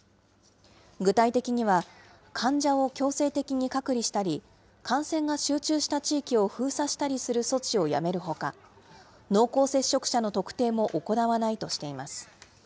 具体的には、患者を強制的に隔離したり、感染が集中した地域を封鎖したりする措置をやめるほか、濃厚接触者の特定も行わないとしています。